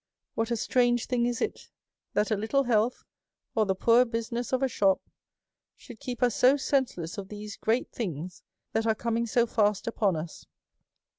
" What a strange thing is it, that a little health, or the poor business of a shop, should keep us so DEVOUT AND HOLY LIFE. 29 senseless of these great things that are coming' so fast upon us